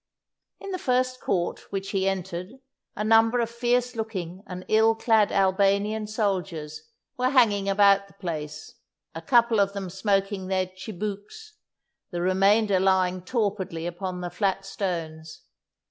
In the first court which he entered a number of fierce looking and ill clad Albanian soldiers were hanging about the place, a couple of them smoking their tchibouques, the remainder lying torpidly upon the flat stones.